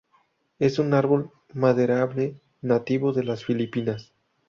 Es un árbol maderable nativo de las Filipinas.